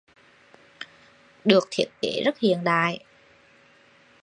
Được thiết kế rất hiện đại